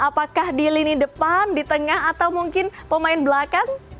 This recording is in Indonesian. apakah di lini depan di tengah atau mungkin pemain belakang